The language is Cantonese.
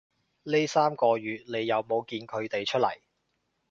呢三個月你有冇見佢哋出來